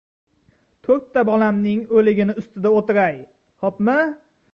— To‘rtta bolamning o‘ligini ustida o‘tiray, xo‘pmi!